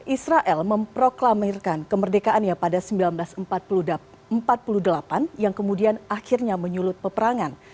israel memproklamirkan kemerdekaannya pada seribu sembilan ratus empat puluh delapan yang kemudian akhirnya menyulut peperangan